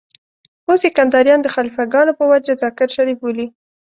اوس يې کنداريان د خليفه ګانو په وجه ذاکر شريف بولي.